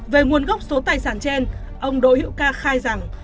về nguồn gốc số tài sản trên ông đỗ hữu ca khai rằng